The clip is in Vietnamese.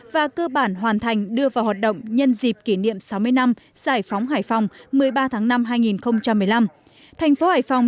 và cơ bản hoàn thành đưa vào hoạt động nhân dịp kỷ niệm sáu mươi năm giải phóng hải phòng một mươi ba tháng năm hai nghìn một mươi năm